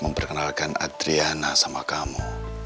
memperkenalkan adriana sama kamu